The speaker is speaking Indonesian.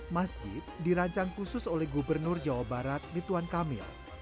masjid dirancang khusus oleh gubernur jawa barat rituan kamil